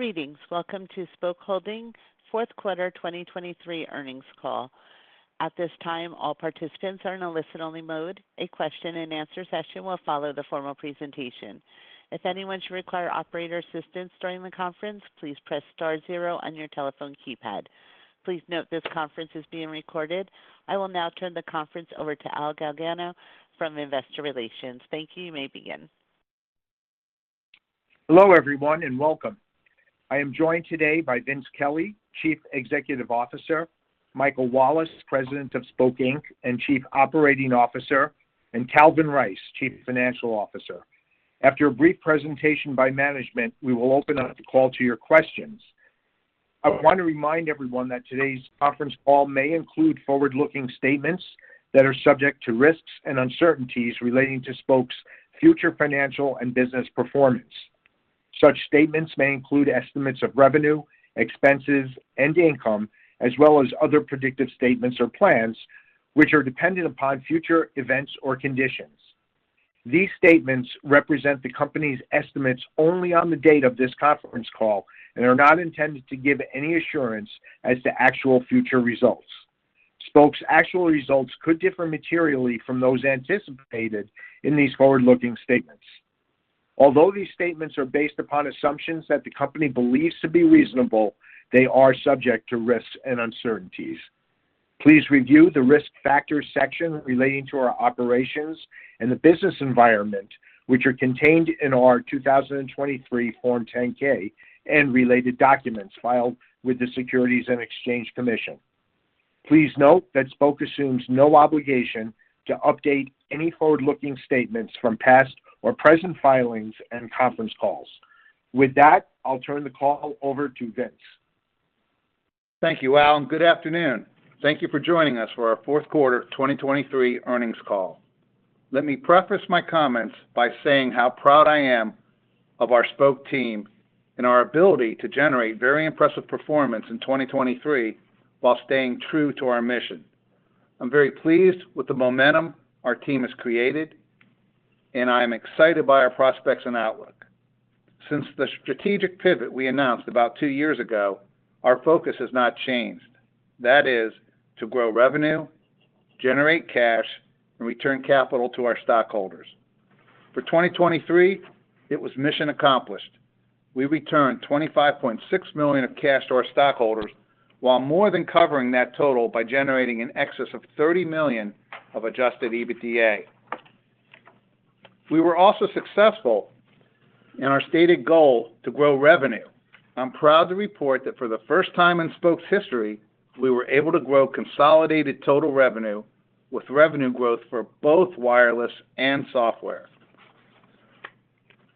Greetings. Welcome to Spok Holdings' Q4 2023 earnings call. At this time, all participants are in a listen-only mode. A Q&A session will follow the formal presentation. If anyone should require operator assistance during the conference, please press star zero on your telephone keypad. Please note this conference is being recorded. I will now turn the conference over to Al Galgano from Investor Relations. Thank you. You may begin. Hello everyone and welcome. I am joined today by Vince Kelly, Chief Executive Officer, Michael Wallace, President of Spok, Inc. and Chief Operating Officer, and Calvin Rice, Chief Financial Officer. After a brief presentation by management, we will open up the call to your questions. I want to remind everyone that today's conference call may include forward-looking statements that are subject to risks and uncertainties relating to Spok's future financial and business performance. Such statements may include estimates of revenue, expenses, and income, as well as other predictive statements or plans which are dependent upon future events or conditions. These statements represent the company's estimates only on the date of this conference call and are not intended to give any assurance as to actual future results. Spok's actual results could differ materially from those anticipated in these forward-looking statements. Although these statements are based upon assumptions that the company believes to be reasonable, they are subject to risks and uncertainties. Please review the risk factors section relating to our operations and the business environment which are contained in our 2023 Form 10-K and related documents filed with the Securities and Exchange Commission. Please note that Spok assumes no obligation to update any forward-looking statements from past or present filings and conference calls. With that, I'll turn the call over to Vince. Thank you, Al, and good afternoon. Thank you for joining us for our Q4 2023 earnings call. Let me preface my comments by saying how proud I am of our Spok team and our ability to generate very impressive performance in 2023 while staying true to our mission. I'm very pleased with the momentum our team has created, and I am excited by our prospects and outlook. Since the strategic pivot we announced about two years ago, our focus has not changed. That is, to grow revenue, generate cash, and return capital to our stockholders. For 2023, it was mission accomplished. We returned $25.6 million of cash to our stockholders while more than covering that total by generating an excess of $30 million of Adjusted EBITDA. We were also successful in our stated goal to grow revenue. I'm proud to report that for the first time in Spok's history, we were able to grow consolidated total revenue with revenue growth for both wireless and software.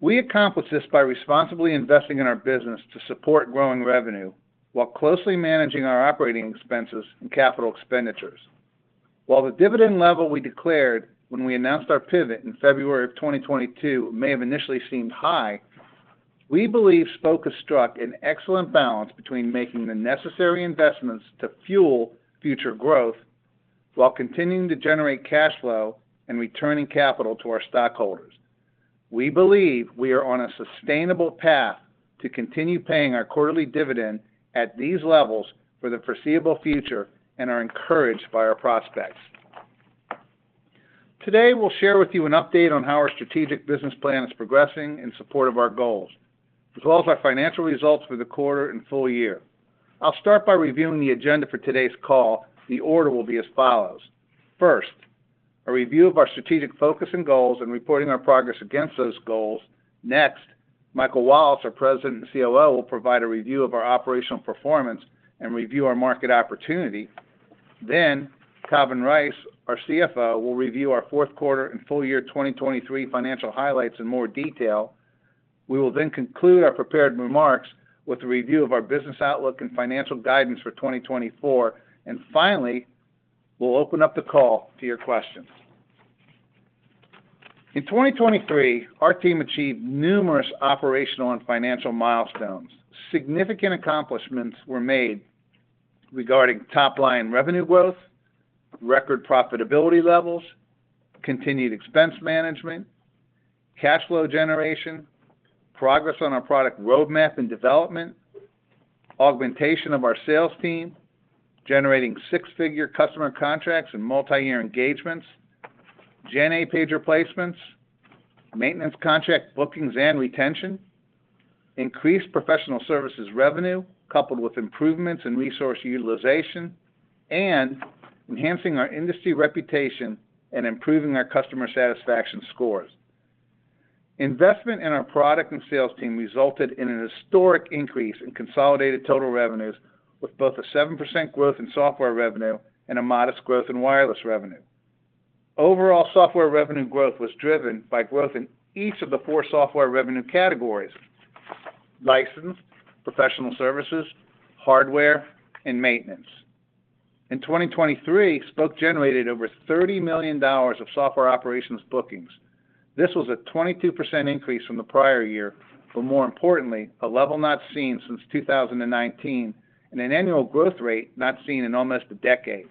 We accomplished this by responsibly investing in our business to support growing revenue while closely managing our operating expenses and capital expenditures. While the dividend level we declared when we announced our pivot in February of 2022 may have initially seemed high, we believe Spok has struck an excellent balance between making the necessary investments to fuel future growth while continuing to generate cash flow and returning capital to our stockholders. We believe we are on a sustainable path to continue paying our quarterly dividend at these levels for the foreseeable future and are encouraged by our prospects. Today, we'll share with you an update on how our strategic business plan is progressing in support of our goals, as well as our financial results for the quarter and full year. I'll start by reviewing the agenda for today's call. The order will be as follows. First, a review of our strategic focus and goals and reporting our progress against those goals. Next, Michael Wallace, our President and COO, will provide a review of our operational performance and review our market opportunity. Then, Calvin Rice, our CFO, will review our Q4 and Full Year 2023 financial highlights in more detail. We will then conclude our prepared remarks with a review of our business outlook and financial guidance for 2024. Finally, we'll open up the call to your questions. In 2023, our team achieved numerous operational and financial milestones. Significant accomplishments were made regarding top-line revenue growth, record profitability levels, continued expense management, cash flow generation, progress on our product roadmap and development, augmentation of our sales team, generating six-figure customer contracts and multi-year engagements, GenA pager replacements, maintenance contract bookings and retention, increased professional services revenue coupled with improvements in resource utilization, and enhancing our industry reputation and improving our customer satisfaction scores. Investment in our product and sales team resulted in an historic increase in consolidated total revenues with both a 7% growth in software revenue and a modest growth in wireless revenue. Overall software revenue growth was driven by growth in each of the four software revenue categories: license, professional services, hardware, and maintenance. In 2023, Spok generated over $30 million of software operations bookings. This was a 22% increase from the prior year, but more importantly, a level not seen since 2019 and an annual growth rate not seen in almost a decade.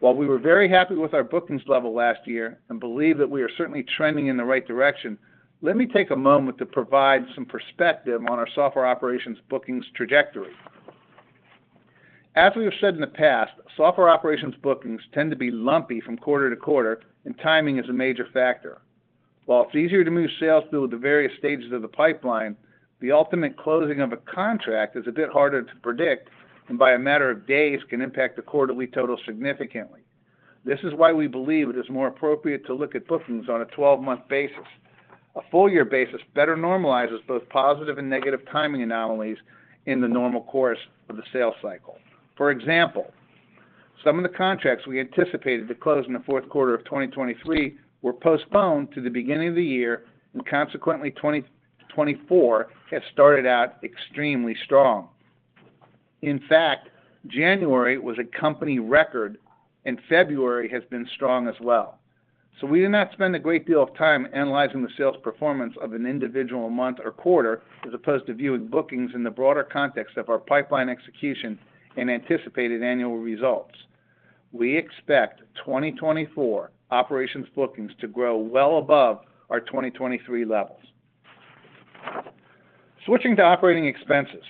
While we were very happy with our bookings level last year and believe that we are certainly trending in the right direction, let me take a moment to provide some perspective on our Software Operations Bookings trajectory. As we have said in the past, Software Operations Bookings tend to be lumpy from quarter-to-quarter, and timing is a major factor. While it's easier to move sales through the various stages of the pipeline, the ultimate closing of a contract is a bit harder to predict and, by a matter of days, can impact the quarterly total significantly. This is why we believe it is more appropriate to look at bookings on a 12-month basis. a full-year basis better normalizes both positive and negative timing anomalies in the normal course of the sales cycle. For example, some of the contracts we anticipated to close in the Q4 of 2023 were postponed to the beginning of the year, and consequently, 2024 has started out extremely strong. In fact, January was a company record, and February has been strong as well. So we did not spend a great deal of time analyzing the sales performance of an individual month or quarter as opposed to viewing bookings in the broader context of our pipeline execution and anticipated annual results. We expect 2024 operations bookings to grow well above our 2023 levels. Switching to operating expenses.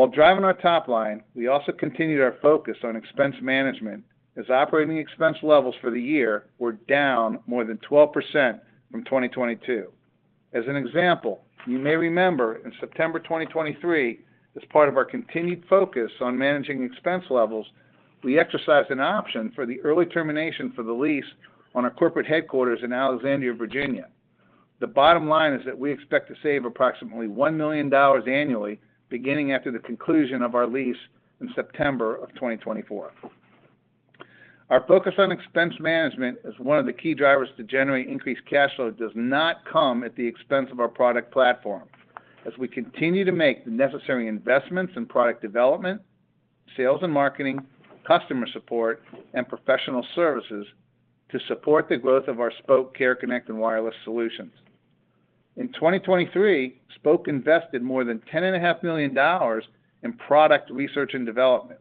While driving our top line, we also continued our focus on expense management as operating expense levels for the year were down more than 12% from 2022. As an example, you may remember in September 2023, as part of our continued focus on managing expense levels, we exercised an option for the early termination for the lease on our corporate headquarters in Alexandria, Virginia. The bottom line is that we expect to save approximately $1 million annually beginning after the conclusion of our lease in September of 2024. Our focus on expense management as one of the key drivers to generate increased cash flow does not come at the expense of our product platform, as we continue to make the necessary investments in product development, sales and marketing, customer support, and professional services to support the growth of our Spok Care Connect and Wireless solutions. In 2023, Spok invested more than $10.5 million in product research and development.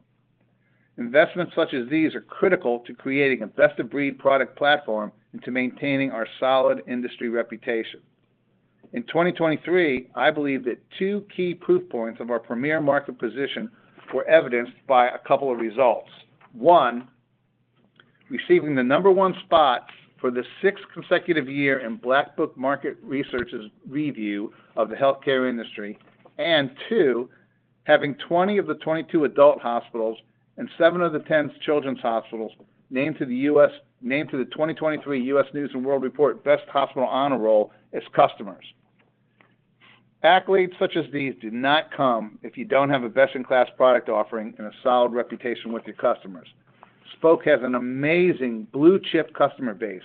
Investments such as these are critical to creating a best-of-breed product platform and to maintaining our solid industry reputation. In 2023, I believe that two key proof points of our premier market position were evidenced by a couple of results. One, receiving the number one spot for the sixth consecutive year in Black Book Market Research's review of the healthcare industry. And two, having 20 of the 22 adult hospitals and 7 of the 10 children's hospitals named to the 2023 U.S. News & World Report Best Hospital Honor Roll as customers. Accolades such as these do not come if you don't have a best-in-class product offering and a solid reputation with your customers. Spok has an amazing blue-chip customer base.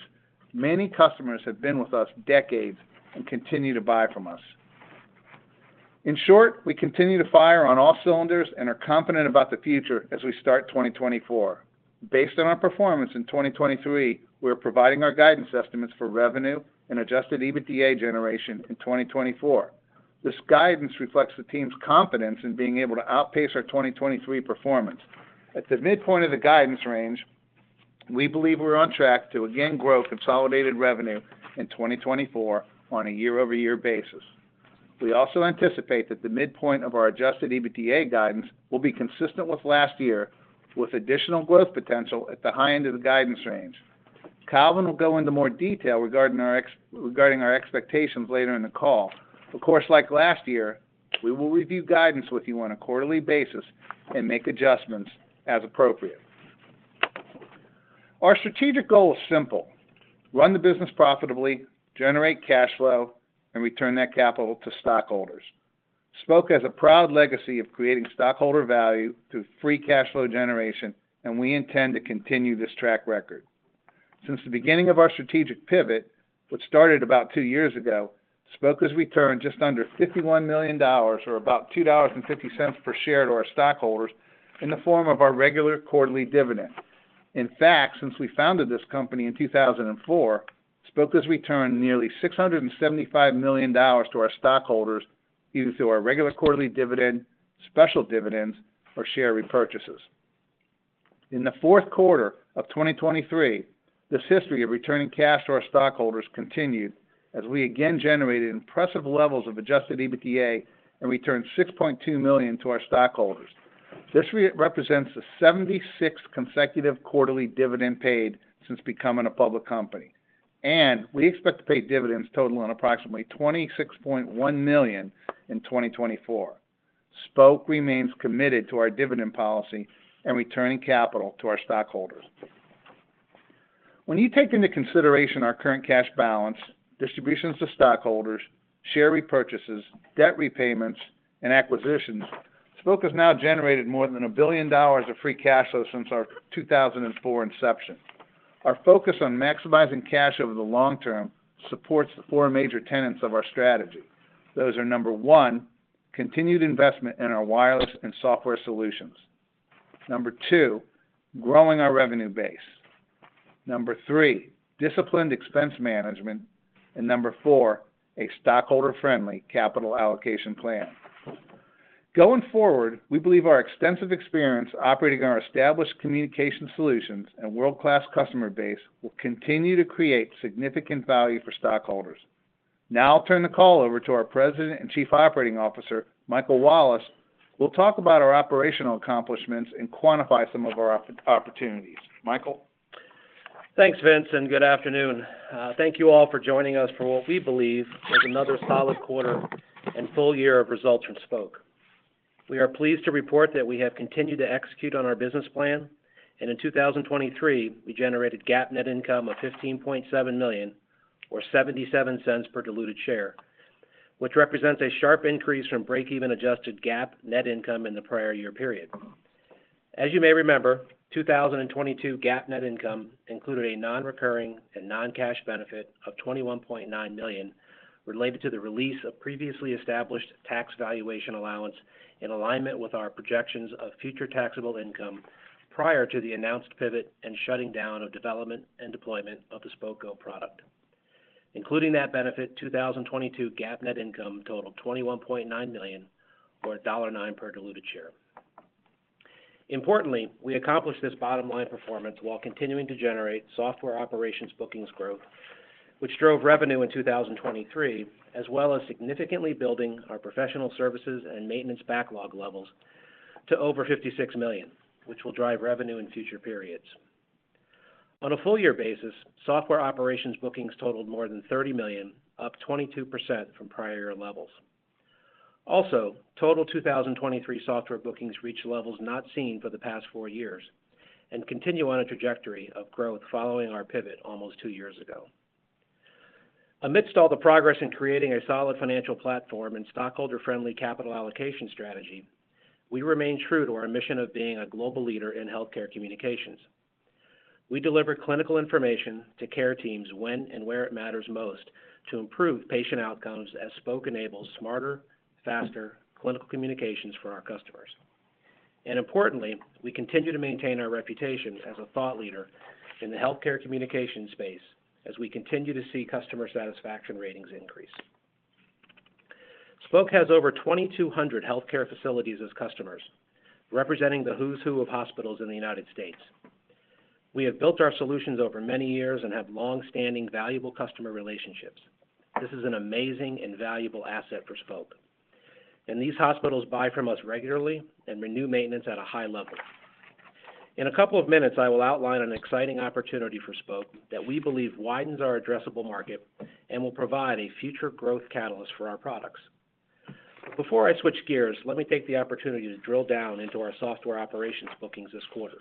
Many customers have been with us decades and continue to buy from us. In short, we continue to fire on all cylinders and are confident about the future as we start 2024. Based on our performance in 2023, we are providing our guidance estimates for revenue and Adjusted EBITDA generation in 2024. This guidance reflects the team's confidence in being able to outpace our 2023 performance. At the midpoint of the guidance range, we believe we're on track to again grow consolidated revenue in 2024 on a year-over-year basis. We also anticipate that the midpoint of our Adjusted EBITDA guidance will be consistent with last year, with additional growth potential at the high end of the guidance range. Calvin will go into more detail regarding our expectations later in the call. Of course, like last year, we will review guidance with you on a quarterly basis and make adjustments as appropriate. Our strategic goal is simple: run the business profitably, generate cash flow, and return that capital to stockholders. Spok has a proud legacy of creating stockholder value through free cash flow generation, and we intend to continue this track record. Since the beginning of our strategic pivot, which started about two years ago, Spok has returned just under $51 million or about $2.50 per share to our stockholders in the form of our regular quarterly dividend. In fact, since we founded this company in 2004, Spok has returned nearly $675 million to our stockholders either through our regular quarterly dividend, special dividends, or share repurchases. In the Q4 of 2023, this history of returning cash to our stockholders continued as we again generated impressive levels of adjusted EBITDA and returned $6.2 million to our stockholders. This represents the 76th consecutive quarterly dividend paid since becoming a public company. We expect to pay dividends totaling approximately $26.1 million in 2024. Spok remains committed to our dividend policy and returning capital to our stockholders. When you take into consideration our current cash balance, distributions to stockholders, share repurchases, debt repayments, and acquisitions, Spok has now generated more than $1 billion of free cash flow since our 2004 inception. Our focus on maximizing cash over the long term supports the four major tenets of our strategy. Those are number one, continued investment in our wireless and software solutions. Number two, growing our revenue base. Number three, disciplined expense management. And number four, a stockholder-friendly capital allocation plan. Going forward, we believe our extensive experience operating our established communication solutions and world-class customer base will continue to create significant value for stockholders. Now I'll turn the call over to our President and Chief Operating Officer, Michael Wallace, who will talk about our operational accomplishments and quantify some of our opportunities. Michael? Thanks, Vincent. Good afternoon. Thank you all for joining us for what we believe is another solid quarter and full year of results from Spok. We are pleased to report that we have continued to execute on our business plan, and in 2023, we generated GAAP net income of $15.7 million or $0.77 per diluted share, which represents a sharp increase from break-even adjusted GAAP net income in the prior year period. As you may remember, 2022 GAAP net income included a non-recurring and non-cash benefit of $21.9 million related to the release of previously established tax valuation allowance in alignment with our projections of future taxable income prior to the announced pivot and shutting down of development and deployment of the Spok Go product. Including that benefit, 2022 GAAP net income totaled $21.9 million or $1.09 per diluted share. Importantly, we accomplished this bottom-line performance while continuing to generate software operations bookings growth, which drove revenue in 2023 as well as significantly building our professional services and maintenance backlog levels to over $56 million, which will drive revenue in future periods. On a full-year basis, software operations bookings totaled more than $30 million, up 22% from prior year levels. Also, total 2023 software bookings reached levels not seen for the past four years and continue on a trajectory of growth following our pivot almost two years ago. Amidst all the progress in creating a solid financial platform and stockholder-friendly capital allocation strategy, we remain true to our mission of being a global leader in healthcare communications. We deliver clinical information to care teams when and where it matters most to improve patient outcomes as Spok enables smarter, faster clinical communications for our customers. Importantly, we continue to maintain our reputation as a thought leader in the healthcare communication space as we continue to see customer satisfaction ratings increase. Spok has over 2,200 healthcare facilities as customers, representing the who's who of hospitals in the United States. We have built our solutions over many years and have longstanding valuable customer relationships. This is an amazing and valuable asset for Spok. These hospitals buy from us regularly and renew maintenance at a high level. In a couple of minutes, I will outline an exciting opportunity for Spok that we believe widens our addressable market and will provide a future growth catalyst for our products. Before I switch gears, let me take the opportunity to drill down into our Software Operations Bookings this quarter.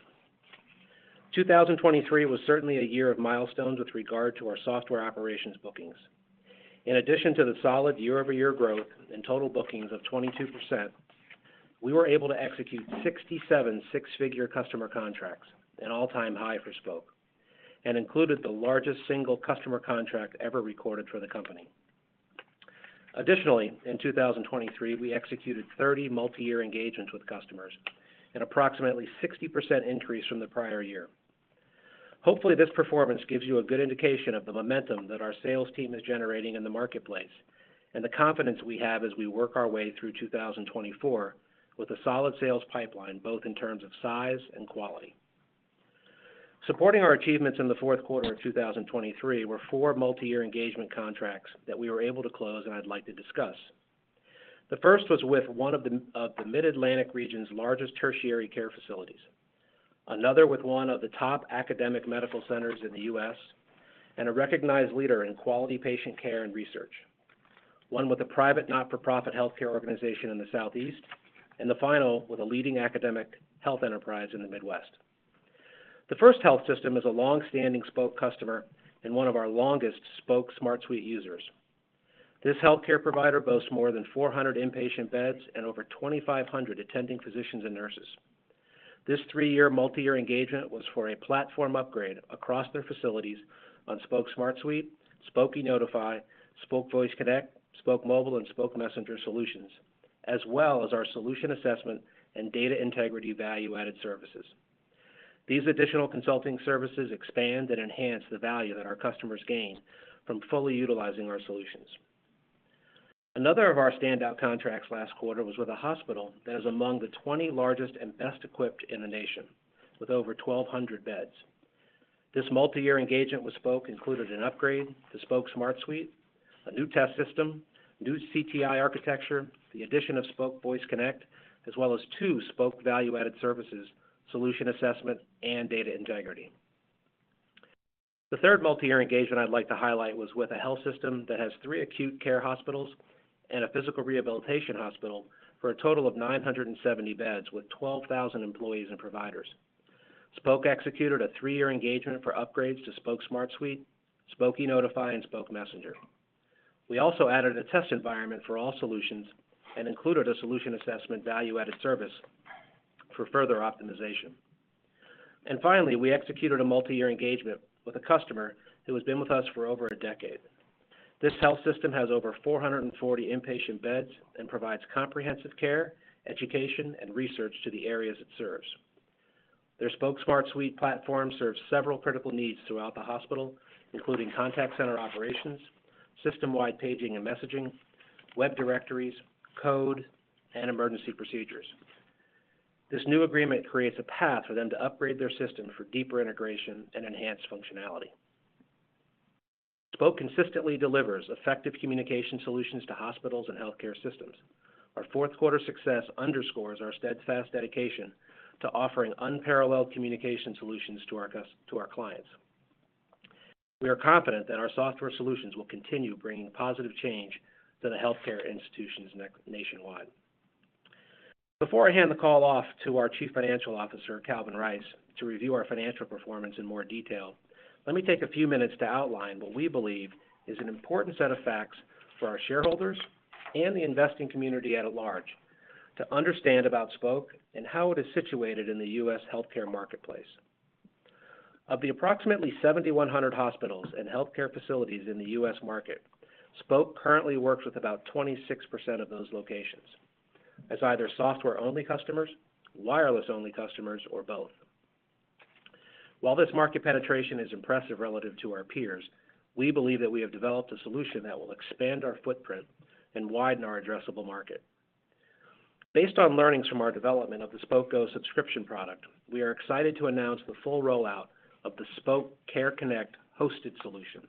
2023 was certainly a year of milestones with regard to our Software Operations Bookings. In addition to the solid year-over-year growth and total bookings of 22%, we were able to execute 67 six-figure customer contracts, an all-time high for Spok, and included the largest single customer contract ever recorded for the company. Additionally, in 2023, we executed 30 multi-year engagements with customers, an approximately 60% increase from the prior year. Hopefully, this performance gives you a good indication of the momentum that our sales team is generating in the marketplace and the confidence we have as we work our way through 2024 with a solid sales pipeline both in terms of size and quality. Supporting our achievements in the Q4 of 2023 were four multi-year engagement contracts that we were able to close and I'd like to discuss. The first was with one of the Mid-Atlantic region's largest tertiary care facilities, another with one of the top academic medical centers in the U.S., and a recognized leader in quality patient care and research, one with a private not-for-profit healthcare organization in the Southeast, and the final with a leading academic health enterprise in the Midwest. The First Health System is a longstanding Spok customer and one of our longest Spok Smart Suite users. This healthcare provider boasts more than 400 inpatient beds and over 2,500 attending physicians and nurses. This three-year multi-year engagement was for a platform upgrade across their facilities on Spok Smart Suite, Spok Notify, Spok Voice Connect, Spok Mobile, and Spok Messenger solutions, as well as our Solution Assessment and Data Integrity value-added services. These additional consulting services expand and enhance the value that our customers gain from fully utilizing our solutions. Another of our standout contracts last quarter was with a hospital that is among the 20 largest and best equipped in the nation with over 1,200 beds. This multi-year engagement with Spok included an upgrade to Spok Smartsuite, a new test system, new CTI architecture, the addition of Spok Voice Connect, as well as two Spok value-added services, solution assessment, and data integrity. The third multi-year engagement I'd like to highlight was with a health system that has three acute care hospitals and a physical rehabilitation hospital for a total of 970 beds with 12,000 employees and providers. Spok executed a three-year engagement for upgrades to Spok Smartsuite, Spok Notify, and Spok Messenger. We also added a test environment for all solutions and included a solution assessment value-added service for further optimization. And finally, we executed a Multi-Year Engagement with a customer who has been with us for over a decade. This health system has over 440 inpatient beds and provides comprehensive care, education, and research to the areas it serves. Their Spok Smartsuite platform serves several critical needs throughout the hospital, including contact center operations, system-wide paging and messaging, web directories, code, and emergency procedures. This new agreement creates a path for them to upgrade their system for deeper integration and enhanced functionality. Spok consistently delivers effective communication solutions to hospitals and healthcare systems. Our Q4 success underscores our steadfast dedication to offering unparalleled communication solutions to our clients. We are confident that our software solutions will continue bringing positive change to the healthcare institutions nationwide. Before I hand the call off to our Chief Financial Officer, Calvin Rice, to review our financial performance in more detail, let me take a few minutes to outline what we believe is an important set of facts for our shareholders and the investing community at large to understand about Spok and how it is situated in the U.S. healthcare marketplace. Of the approximately 7,100 hospitals and healthcare facilities in the U.S. market, Spok currently works with about 26% of those locations as either software-only customers, wireless-only customers, or both. While this market penetration is impressive relative to our peers, we believe that we have developed a solution that will expand our footprint and widen our addressable market. Based on learnings from our development of the Spok Go subscription product, we are excited to announce the full rollout of the Spok Care Connect hosted solution.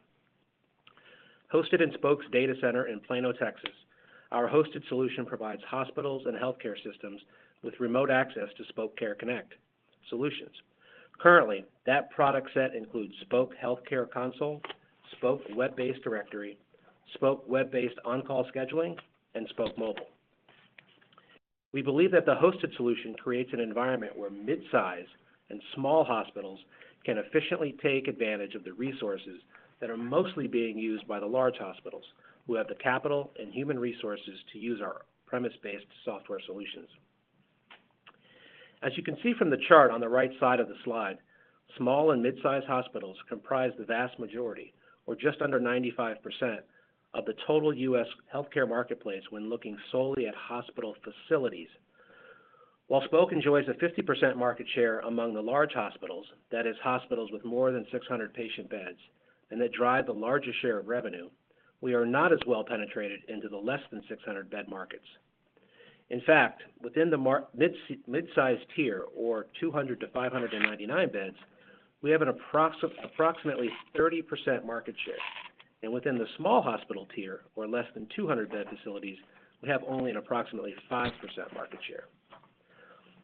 Hosted in Spok's data center in Plano, Texas, our hosted solution provides hospitals and healthcare systems with remote access to Spok Care Connect solutions. Currently, that product set includes Spok Healthcare Console, Spok Web-Based Directory, Spok Web-Based On-Call Scheduling, and Spok Mobile. We believe that the hosted solution creates an environment where midsize and small hospitals can efficiently take advantage of the resources that are mostly being used by the large hospitals who have the capital and human resources to use our premise-based software solutions. As you can see from the chart on the right side of the slide, small and midsize hospitals comprise the vast majority, or just under 95%, of the total U.S. healthcare marketplace when looking solely at hospital facilities. While Spok enjoys a 50% market share among the large hospitals, that is, hospitals with more than 600 patient beds and that drive the largest share of revenue, we are not as well penetrated into the less than 600-bed markets. In fact, within the midsize tier, or 200-599 beds, we have an approximately 30% market share. And within the small hospital tier, or less than 200-bed facilities, we have only an approximately 5% market share.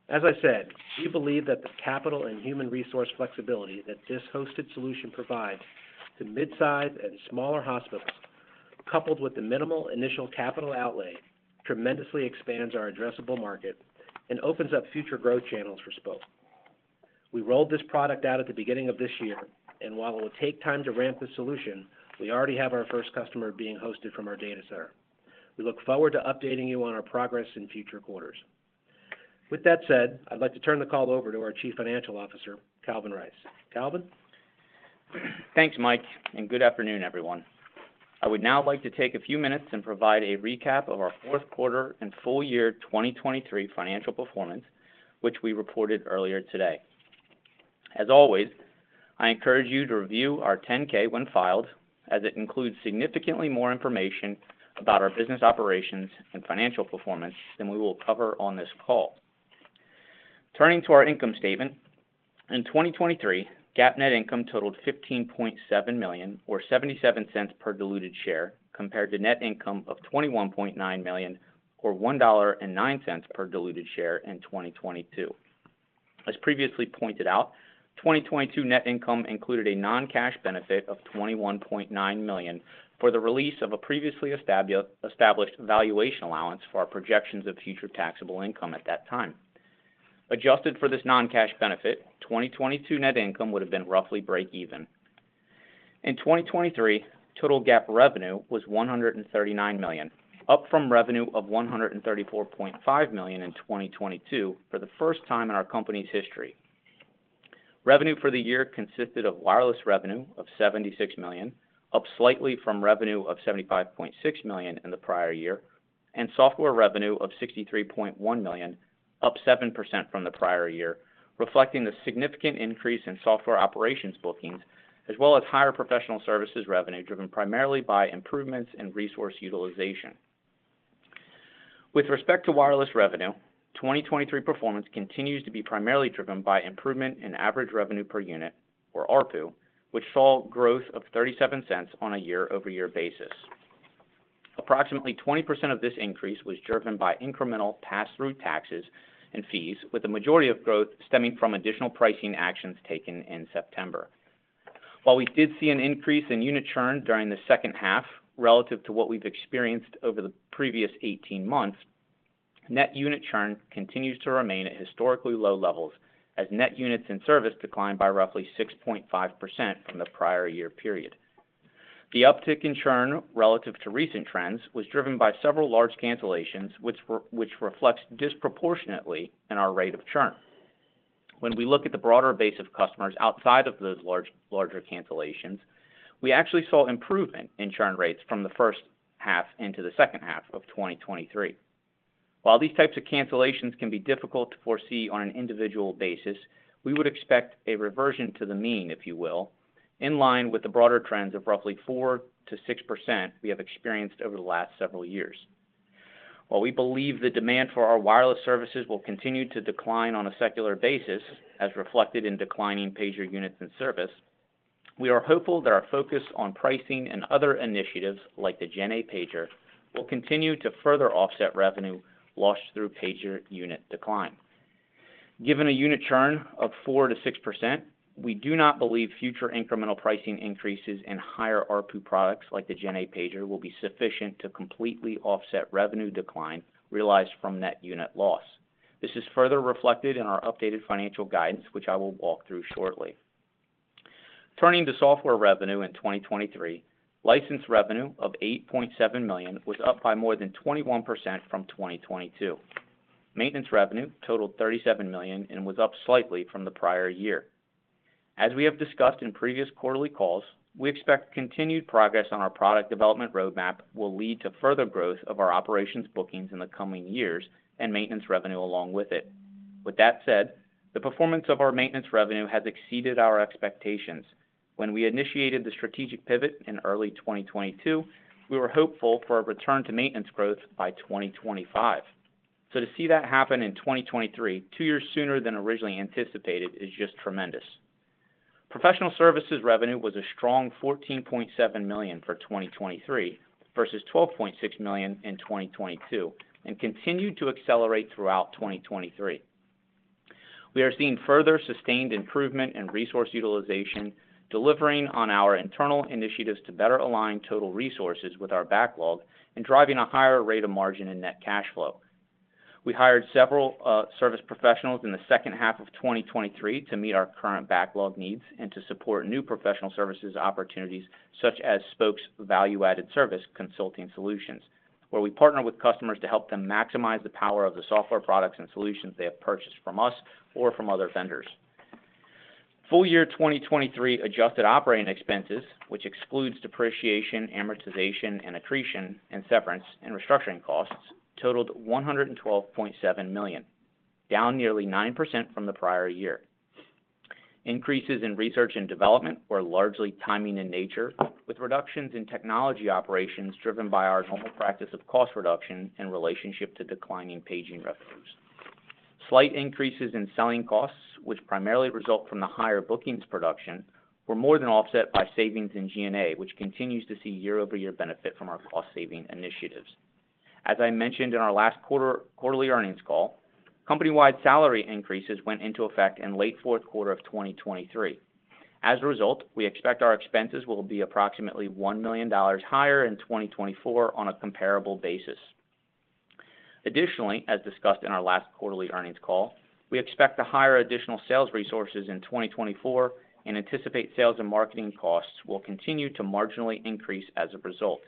As I said, we believe that the capital and human resource flexibility that this hosted solution provides to midsize and smaller hospitals, coupled with the minimal initial capital outlay, tremendously expands our addressable market and opens up future growth channels for Spok. We rolled this product out at the beginning of this year, and while it will take time to ramp this solution, we already have our first customer being hosted from our data center. We look forward to updating you on our progress in future quarters. With that said, I'd like to turn the call over to our Chief Financial Officer, Calvin Rice. Calvin? Thanks, Mike, and good afternoon, everyone. I would now like to take a few minutes and provide a recap of our Q4 and full-year 2023 financial performance, which we reported earlier today. As always, I encourage you to review our 10-K when filed, as it includes significantly more information about our business operations and financial performance than we will cover on this call. Turning to our income statement, in 2023, GAAP net income totaled $15.7 million or $0.77 per diluted share compared to net income of $21.9 million or $1.09 per diluted share in 2022. As previously pointed out, 2022 net income included a non-cash benefit of $21.9 million for the release of a previously established valuation allowance for our projections of future taxable income at that time. Adjusted for this non-cash benefit, 2022 net income would have been roughly break-even. In 2023, total GAAP revenue was $139 million, up from revenue of $134.5 million in 2022 for the first time in our company's history. Revenue for the year consisted of wireless revenue of $76 million, up slightly from revenue of $75.6 million in the prior year, and software revenue of $63.1 million, up 7% from the prior year, reflecting the significant increase in software operations bookings as well as higher professional services revenue driven primarily by improvements in resource utilization. With respect to wireless revenue, 2023 performance continues to be primarily driven by improvement in average revenue per unit, or ARPU, which saw growth of $0.37 on a year-over-year basis. Approximately 20% of this increase was driven by incremental pass-through taxes and fees, with the majority of growth stemming from additional pricing actions taken in September. While we did see an increase in unit churn during the H2 relative to what we've experienced over the previous 18 months, net unit churn continues to remain at historically low levels as net units in service declined by roughly 6.5% from the prior year period. The uptick in churn relative to recent trends was driven by several large cancellations, which reflects disproportionately in our rate of churn. When we look at the broader base of customers outside of those larger cancellations, we actually saw improvement in churn rates from the H1 into the H2 of 2023. While these types of cancellations can be difficult to foresee on an individual basis, we would expect a reversion to the mean, if you will, in line with the broader trends of roughly 4%-6% we have experienced over the last several years. While we believe the demand for our wireless services will continue to decline on a secular basis, as reflected in declining pager units in service, we are hopeful that our focus on pricing and other initiatives like the GenA Pager will continue to further offset revenue lost through pager unit decline. Given a unit churn of 4%-6%, we do not believe future incremental pricing increases in higher ARPU products like the GenA Pager will be sufficient to completely offset revenue decline realized from net unit loss. This is further reflected in our updated financial guidance, which I will walk through shortly. Turning to software revenue in 2023, license revenue of $8.7 million was up by more than 21% from 2022. Maintenance revenue totaled $37 million and was up slightly from the prior year. As we have discussed in previous quarterly calls, we expect continued progress on our product development roadmap will lead to further growth of our operations bookings in the coming years and maintenance revenue along with it. With that said, the performance of our maintenance revenue has exceeded our expectations. When we initiated the strategic pivot in early 2022, we were hopeful for a return to maintenance growth by 2025. So to see that happen in 2023, two years sooner than originally anticipated, is just tremendous. Professional services revenue was a strong $14.7 million for 2023 versus $12.6 million in 2022 and continued to accelerate throughout 2023. We are seeing further sustained improvement in resource utilization, delivering on our internal initiatives to better align total resources with our backlog and driving a higher rate of margin in net cash flow. We hired several service professionals in the H2 of 2023 to meet our current backlog needs and to support new professional services opportunities such as Spok's value-added service consulting solutions, where we partner with customers to help them maximize the power of the software products and solutions they have purchased from us or from other vendors. Full-year 2023 adjusted operating expenses, which excludes depreciation, amortization, and accretion, and severance, and restructuring costs, totaled $112.7 million, down nearly 9% from the prior year. Increases in research and development were largely timing in nature, with reductions in technology operations driven by our normal practice of cost reduction in relationship to declining paging revenues. Slight increases in selling costs, which primarily result from the higher bookings production, were more than offset by savings in GenA, which continues to see year-over-year benefit from our cost-saving initiatives. As I mentioned in our last quarterly earnings call, company-wide salary increases went into effect in late Q4 of 2023. As a result, we expect our expenses will be approximately $1 million higher in 2024 on a comparable basis. Additionally, as discussed in our last quarterly earnings call, we expect to hire additional sales resources in 2024 and anticipate sales and marketing costs will continue to marginally increase as a result.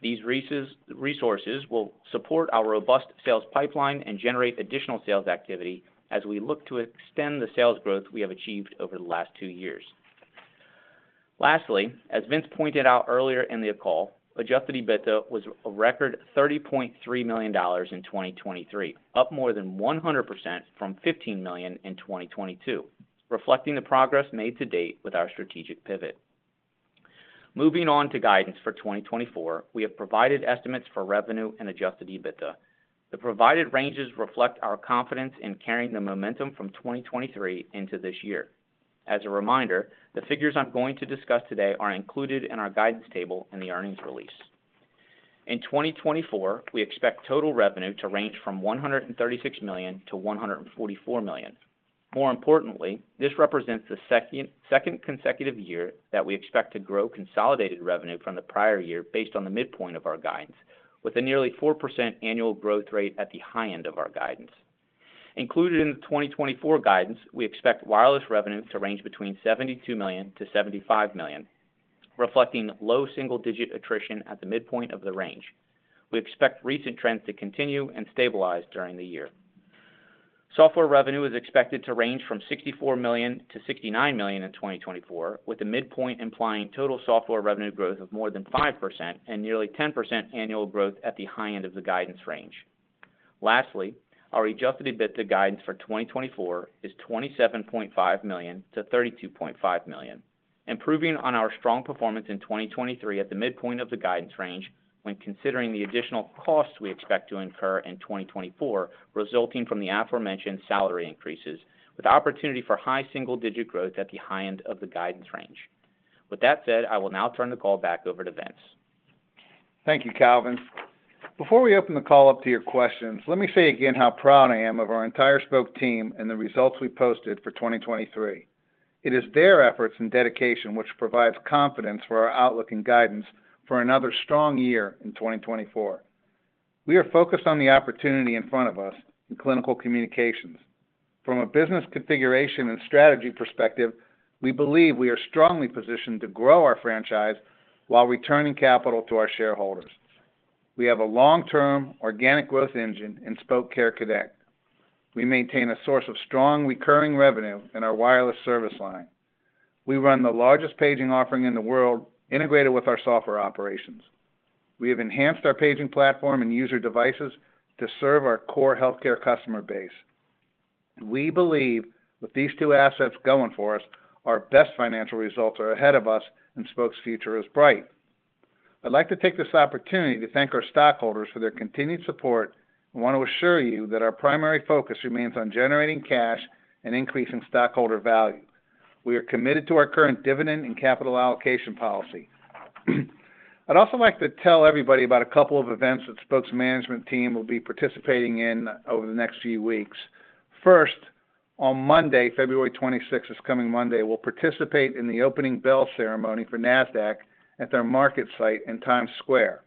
These resources will support our robust sales pipeline and generate additional sales activity as we look to extend the sales growth we have achieved over the last two years. Lastly, as Vince pointed out earlier in the call, Adjusted EBITDA was a record $30.3 million in 2023, up more than 100% from $15 million in 2022, reflecting the progress made to date with our strategic pivot. Moving on to guidance for 2024, we have provided estimates for revenue and Adjusted EBITDA. The provided ranges reflect our confidence in carrying the momentum from 2023 into this year. As a reminder, the figures I'm going to discuss today are included in our guidance table in the earnings release. In 2024, we expect total revenue to range from $136 million-$144 million. More importantly, this represents the second consecutive year that we expect to grow consolidated revenue from the prior year based on the midpoint of our guidance, with a nearly 4% annual growth rate at the high end of our guidance. Included in the 2024 guidance, we expect wireless revenue to range between $72 million-$75 million, reflecting low single-digit attrition at the midpoint of the range. We expect recent trends to continue and stabilize during the year. Software revenue is expected to range from $64 million-$69 million in 2024, with the midpoint implying total software revenue growth of more than 5% and nearly 10% annual growth at the high end of the guidance range. Lastly, our Adjusted EBITDA guidance for 2024 is $27.5 million-$32.5 million, improving on our strong performance in 2023 at the midpoint of the guidance range when considering the additional costs we expect to incur in 2024 resulting from the aforementioned salary increases, with opportunity for high single-digit growth at the high end of the guidance range. With that said, I will now turn the call back over to Vince. Thank you, Calvin. Before we open the call up to your questions, let me say again how proud I am of our entire Spok team and the results we posted for 2023. It is their efforts and dedication which provides confidence for our outlook and guidance for another strong year in 2024. We are focused on the opportunity in front of us in clinical communications. From a business configuration and strategy perspective, we believe we are strongly positioned to grow our franchise while returning capital to our shareholders. We have a long-term organic growth engine in Spok Care Connect. We maintain a source of strong recurring revenue in our wireless service line. We run the largest paging offering in the world integrated with our software operations. We have enhanced our paging platform and user devices to serve our core healthcare customer base. We believe, with these two assets going for us, our best financial results are ahead of us and Spok's future is bright. I'd like to take this opportunity to thank our stockholders for their continued support and want to assure you that our primary focus remains on generating cash and increasing stockholder value. We are committed to our current dividend and capital allocation policy. I'd also like to tell everybody about a couple of events that Spok's management team will be participating in over the next few weeks. First, on Monday, February 26th, this coming Monday, we'll participate in the opening bell ceremony for NASDAQ at their market site in Times Square.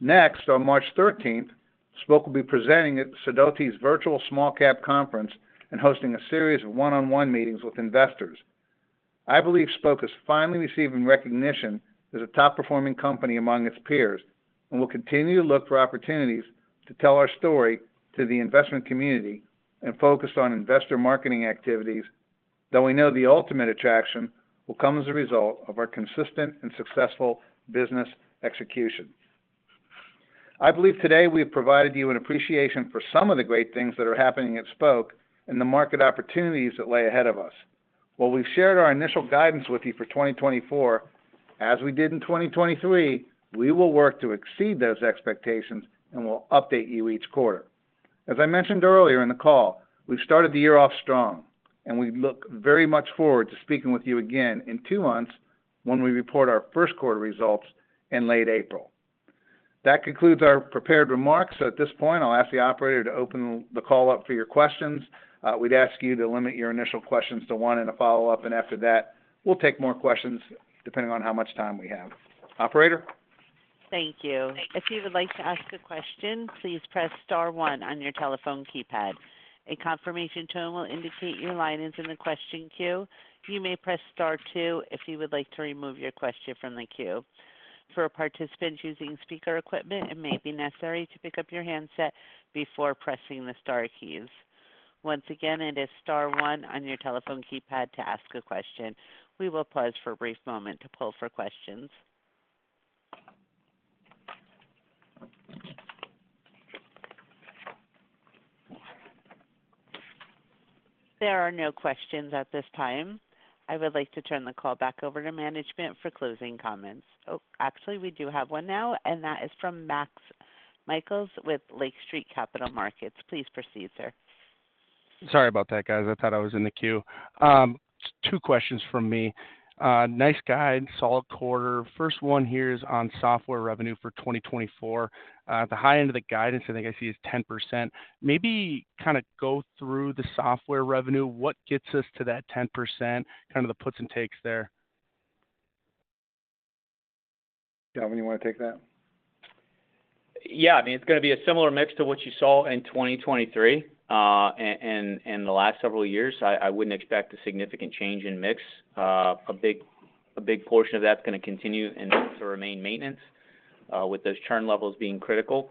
Next, on March 13th, Spok will be presenting at Sidoti's virtual small-cap conference and hosting a series of one-on-one meetings with investors. I believe Spok is finally receiving recognition as a top-performing company among its peers and will continue to look for opportunities to tell our story to the investment community and focus on investor marketing activities, though we know the ultimate attraction will come as a result of our consistent and successful business execution. I believe today we have provided you an appreciation for some of the great things that are happening at Spok and the market opportunities that lay ahead of us. While we've shared our initial guidance with you for 2024, as we did in 2023, we will work to exceed those expectations and will update you each quarter. As I mentioned earlier in the call, we've started the year off strong, and we look very much forward to speaking with you again in two months when we report our Q1 results in late April. That concludes our prepared remarks, so at this point, I'll ask the operator to open the call up for your questions. We'd ask you to limit your initial questions to one and a follow-up, and after that, we'll take more questions depending on how much time we have. Operator? Thank you. If you would like to ask a question, please press star one on your telephone keypad. A confirmation tone will indicate your line is in the question queue. You may press star two if you would like to remove your question from the queue. For participants using speaker equipment, it may be necessary to pick up your handset before pressing the star keys. Once again, it is star one on your telephone keypad to ask a question. We will pause for a brief moment to pull for questions. There are no questions at this time. I would like to turn the call back over to management for closing comments. Oh, actually, we do have one now, and that is from Max Michaelis with Lake Street Capital Markets. Please proceed, sir. Sorry about that, guys. I thought I was in the queue. Two questions from me. Nice guide, solid quarter. First one here is on software revenue for 2024. At the high end of the guidance, I think I see is 10%. Maybe kind of go through the software revenue. What gets us to that 10%? Kind of the puts and takes there. Calvin, you want to take that? Yeah. I mean, it's going to be a similar mix to what you saw in 2023, and the last several years. I wouldn't expect a significant change in mix. A big portion of that's going to continue and to remain maintenance, with those churn levels being critical.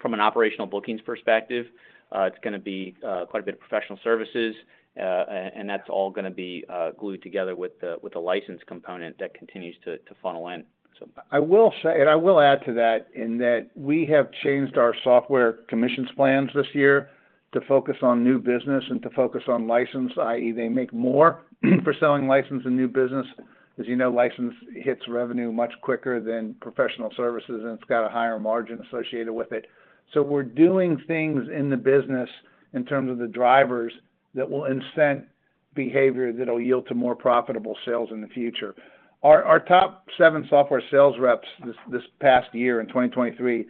From an operational bookings perspective, it's going to be quite a bit of professional services, and that's all going to be glued together with the license component that continues to funnel in, so. I will say, and I will add to that, that we have changed our software commissions plans this year to focus on new business and to focus on license, i.e., they make more for selling license and new business. As you know, license hits revenue much quicker than professional services, and it's got a higher margin associated with it. So we're doing things in the business in terms of the drivers that will incent behavior that'll yield to more profitable sales in the future. Our top seven software sales reps this past year in 2023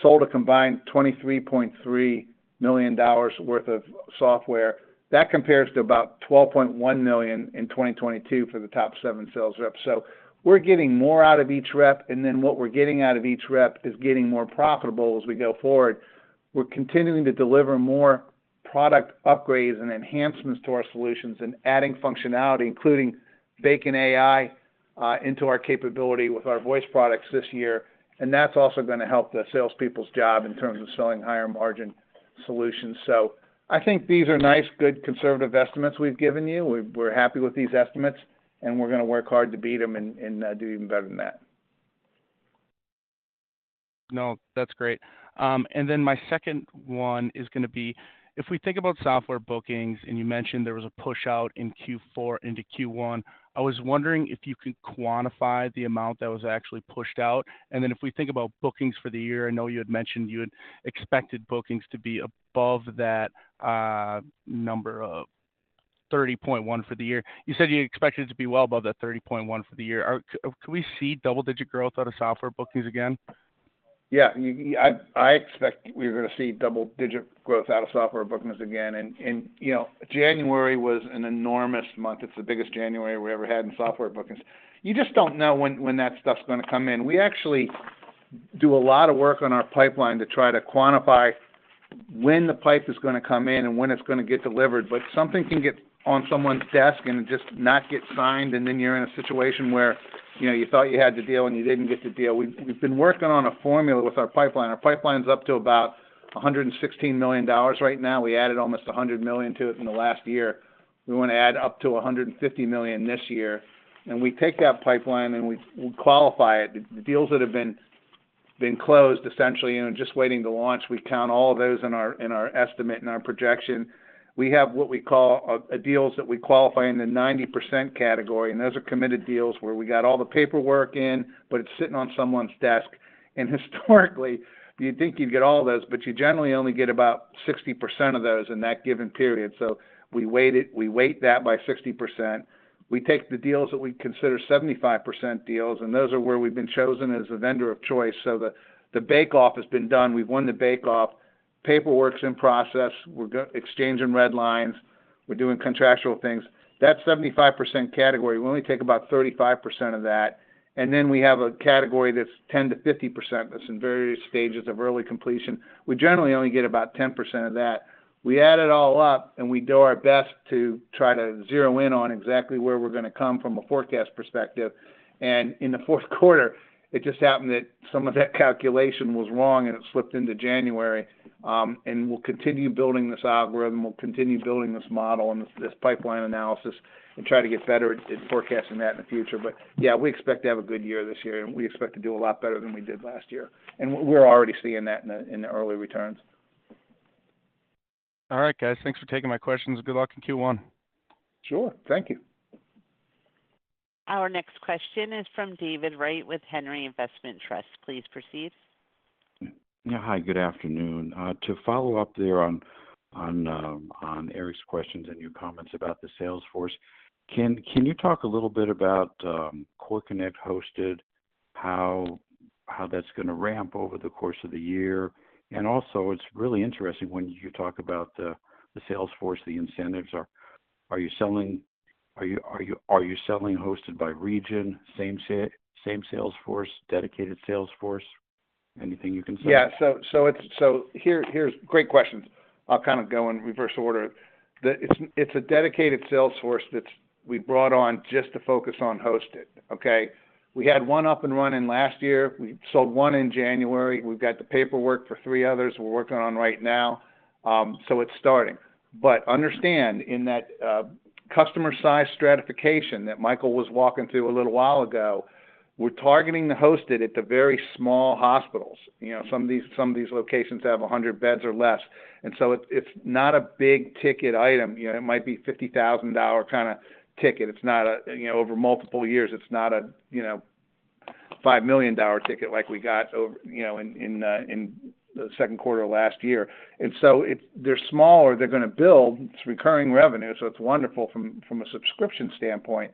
sold a combined $23.3 million worth of software. That compares to about $12.1 million in 2022 for the top seven sales reps. So we're getting more out of each rep, and then what we're getting out of each rep is getting more profitable as we go forward. We're continuing to deliver more product upgrades and enhancements to our solutions and adding functionality, including baking in AI, into our capability with our voice products this year. And that's also going to help the salespeople's job in terms of selling higher margin solutions. So I think these are nice, good, conservative estimates we've given you. We're happy with these estimates, and we're going to work hard to beat them and do even better than that. No, that's great. And then my second one is going to be if we think about software bookings, and you mentioned there was a push out in Q4 into Q1. I was wondering if you can quantify the amount that was actually pushed out. And then if we think about bookings for the year, I know you had mentioned you had expected bookings to be above that number of 30.1 for the year. You said you expected it to be well above that 30.1 for the year. Or could we see double-digit growth out of software bookings again? Yeah. I expect we're going to see double-digit growth out of software bookings again. And, you know, January was an enormous month. It's the biggest January we ever had in software bookings. You just don't know when that stuff's going to come in. We actually do a lot of work on our pipeline to try to quantify when the pipe is going to come in and when it's going to get delivered. But something can get on someone's desk and it just not get signed, and then you're in a situation where, you know, you thought you had to deal and you didn't get to deal. We've been working on a formula with our pipeline. Our pipeline's up to about $116 million right now. We added almost $100 million to it in the last year. We want to add up to $150 million this year. And we take that pipeline, and we qualify it. The deals that have been closed, essentially, and just waiting to launch, we count all of those in our estimate and our projection. We have what we call deals that we qualify in the 90% category, and those are committed deals where we got all the paperwork in, but it's sitting on someone's desk. Historically, you'd think you'd get all those, but you generally only get about 60% of those in that given period. We weight that by 60%. We take the deals that we consider 75% deals, and those are where we've been chosen as the vendor of choice. The bake-off has been done. We've won the bake-off. Paperwork's in process. We're going exchanging red lines. We're doing contractual things. That's the 75% category. We only take about 35% of that. Then we have a category that's 10%-50% that's in various stages of early completion. We generally only get about 10% of that. We add it all up, and we do our best to try to zero in on exactly where we're going to come from a forecast perspective. And in the Q4, it just happened that some of that calculation was wrong, and it slipped into January. And we'll continue building this algorithm. We'll continue building this model and this, this pipeline analysis and try to get better at, at forecasting that in the future. But yeah, we expect to have a good year this year, and we expect to do a lot better than we did last year. And we're already seeing that in the early returns. All right, guys. Thanks for taking my questions. Good luck in Q1. Sure. Thank you. Our next question is from David Wright with Henry Investment Trust. Please proceed. Yeah. Hi. Good afternoon. To follow up there on Eric's questions and your comments about the sales force, can you talk a little bit about Care Connect hosted, how that's going to ramp over the course of the year? And also, it's really interesting when you talk about the sales force, the incentives. Are you selling hosted by region, same sales force, dedicated sales force? Anything you can say? Yeah. So here, here's great questions. I'll kind of go in reverse order. It's a dedicated sales force that we brought on just to focus on hosted, okay? We had one up and running last year. We sold on. in January. We've got the paperwork for three others we're working on right now. So it's starting. But understand, in that customer-sized stratification that Michael was walking through a little while ago, we're targeting the Hosted at the very small hospitals. You know, some of these some of these locations have 100 beds or less. And so it's, it's not a big ticket item. You know, it might be a $50,000 kind of ticket. It's not a you know, over multiple years, it's not a, you know, $5 million ticket like we got over you know, in, in, in the Q2 of last year. And so it's they're smaller. They're going to build. It's recurring revenue, so it's wonderful from, from a subscription standpoint.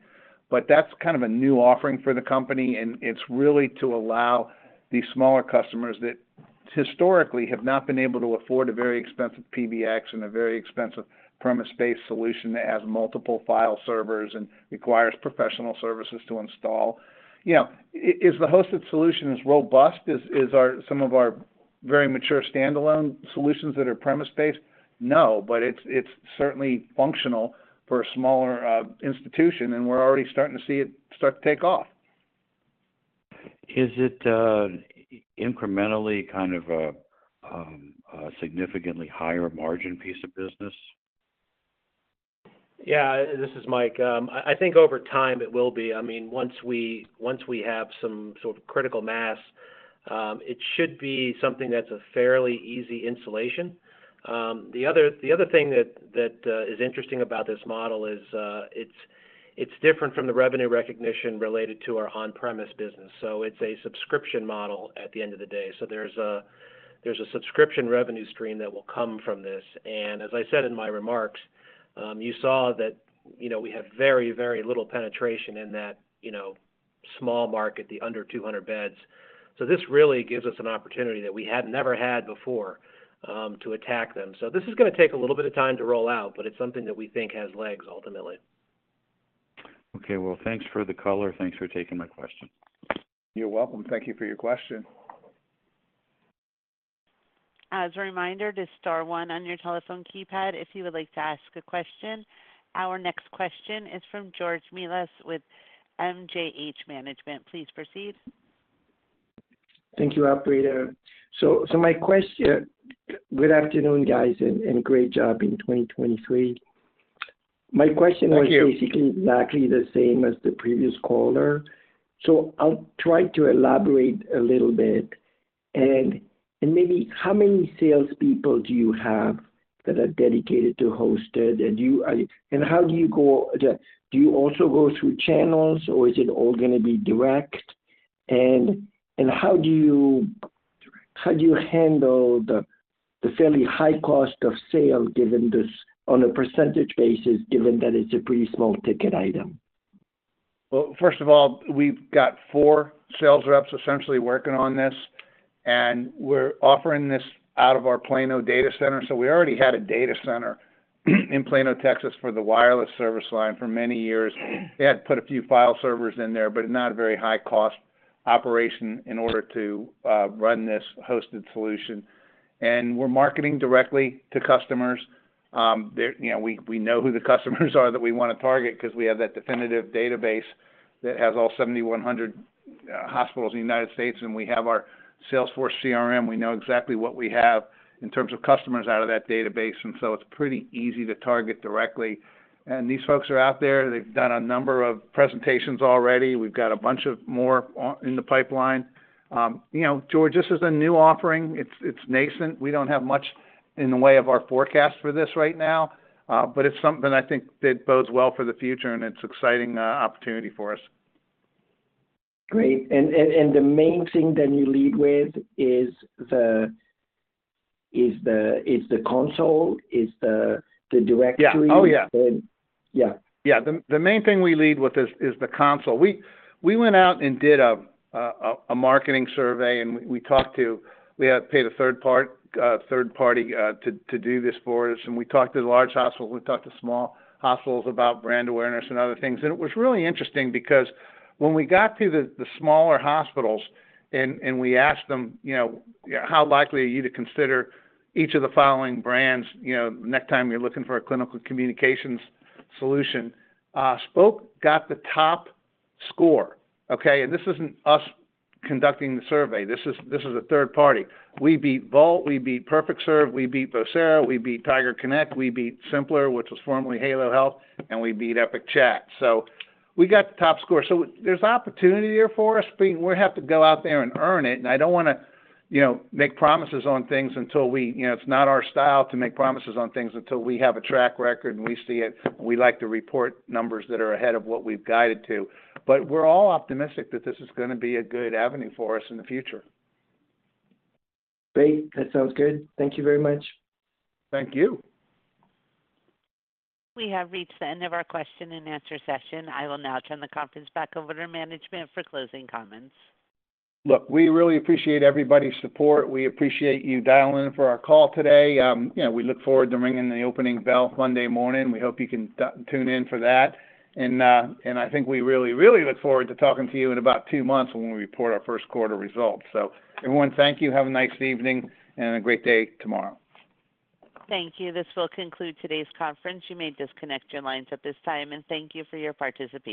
But that's kind of a new offering for the company, and it's really to allow these smaller customers that historically have not been able to afford a very expensive PBX and a very expensive premise-based solution that has multiple file servers and requires professional services to install. You know, is the Hosted solution as robust as some of our very mature standalone solutions that are premise-based? No, but it's certainly functional for a smaller institution, and we're already starting to see it start to take off. Is it incrementally kind of a significantly higher margin piece of business? Yeah. This is Mike. I think over time, it will be. I mean, once we have some sort of critical mass, it should be something that's a fairly easy installation. The other thing that is interesting about this model is, it's different from the revenue recognition related to our on-premise business. So it's a subscription model at the end of the day. So there's a subscription revenue stream that will come from this. And as I said in my remarks, you saw that, you know, we have very, very little penetration in that, you know, small market, the under 200 beds. So this really gives us an opportunity that we had never had before, to attack them. So this is going to take a little bit of time to roll out, but it's something that we think has legs, ultimately. Okay. Well, thanks for the call, or thanks for taking my question. You're welcome. Thank you for your question. As a reminder, there's star one on your telephone keypad if you would like to ask a question. Our next question is from George Melas with MKH Management. Please proceed. Thank you, operator. So, my question: good afternoon, guys, and great job in 2023. My question was basically exactly the same as the previous caller. I'll try to elaborate a little bit. And maybe how many salespeople do you have that are dedicated to hosted, and do you also go through channels, or is it all going to be direct? And how do you handle the fairly high cost of sale given this on a percentage basis, given that it's a pretty small ticket item? Well, first of all, we've got four sales reps essentially working on this, and we're offering this out of our Plano data center. So we already had a data center in Plano, Texas, for the wireless service line for many years. They had put a few file servers in there, but not a very high-cost operation in order to run this hosted solution. And we're marketing directly to customers. They're, you know, we know who the customers are that we want to target because we have that definitive database that has all 7,100 hospitals in the United States, and we have our Salesforce CRM. We know exactly what we have in terms of customers out of that database, and so it's pretty easy to target directly. And these folks are out there. They've done a number of presentations already. We've got a bunch of more on in the pipeline. You know, George, this is a new offering. It's nascent. We don't have much in the way of our forecast for this right now, but it's something that I think bodes well for the future, and it's an exciting opportunity for us. Great. And the main thing that you lead with is the console? Is the directory? Yeah. Oh, yeah. Yeah. Yeah. The main thing we lead with is the console. We went out and did a marketing survey, and we talked to—we had paid a third party to do this for us. And we talked to the large hospitals. We talked to small hospitals about brand awareness and other things. It was really interesting because when we got to the smaller hospitals and we asked them, you know, how likely are you to consider each of the following brands, you know, next time you're looking for a clinical communications solution, Spok got the top score, okay? And this isn't us conducting the survey. This is a third party. We beat Voalte. We beat PerfectServe. We beat Vocera. We beat TigerConnect. We beat Symplr, which was formerly Halo Health. And we beat Epic Chat. So we got the top score. So there's opportunity there for us, being we have to go out there and earn it. I don't want to, you know, make promises on things until we you know, it's not our style to make promises on things until we have a track record and we see it, and we like to report numbers that are ahead of what we've guided to. But we're all optimistic that this is going to be a good avenue for us in the future. Great. That sounds good. Thank you very much. Thank you. We have reached the end of our question and answer session. I will now turn the conference back over to management for closing comments. Look, we really appreciate everybody's support. We appreciate you dialing in for our call today. You know, we look forward to ringing the opening bell Monday morning. We hope you can tune in for that. And I think we really, really look forward to talking to you in about two months when we report our Q1 results. Everyone, thank you. Have a nice evening and a great day tomorrow. Thank you. This will conclude today's conference. You may disconnect your lines at this time, and thank you for your participation.